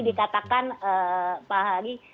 dikatakan pak hagi